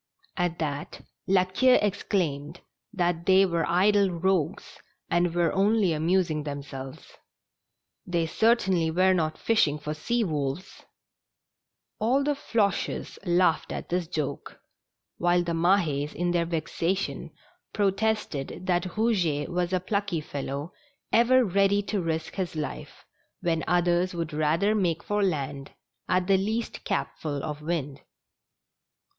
At that La Queue exclaimed that they were idle rogues, and were only amusing them selves. They certainly were not fishing for sea wolves ! All the Floches laughed at this joke, while the Mah^s, in their vexation, protested that Ilouget w^as a plucky fellow, ever ready to risk his life, when others would rather make for land at the least capful of wind.